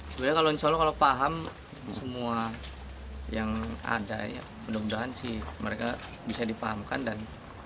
sebenarnya kalau insya allah kalau paham semua yang ada ya mudah mudahan sih mereka bisa dipahamkan dan